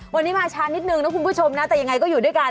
วันนี้มาช้านิดนึงนะคุณผู้ชมนะแต่ยังไงก็อยู่ด้วยกัน